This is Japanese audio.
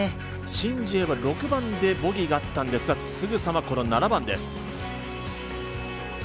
シン・ジエは６番でボギーがあったんですが、すぐさま、この７番です。